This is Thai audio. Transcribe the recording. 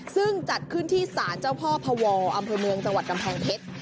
ซึ่งจัดขึ้นที่ศาลเจ้าพ่อพวอำเภอเมืองจังหวัดกำแพงเพชร